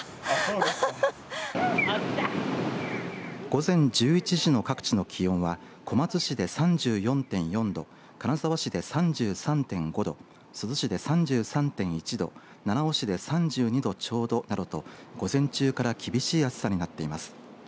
午前１１時の各地の気温は小松市で３４．４度金沢市で３３．５度珠洲市で３３．１度七尾市で３２度ちょうどなどと午前中から厳しい暑さになっています。